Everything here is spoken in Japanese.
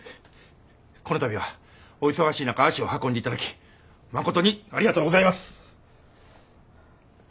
この度はお忙しい中足を運んでいただきまことにありがとうございます。